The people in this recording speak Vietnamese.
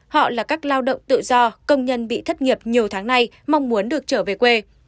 họ là các lao động tự do công nhân bị thất nghiệp nhiều tháng nay mong muốn được trở về quê